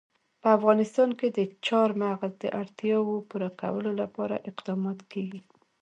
په افغانستان کې د چار مغز د اړتیاوو پوره کولو لپاره اقدامات کېږي.